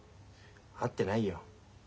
遭ってないよ。